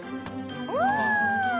うわ！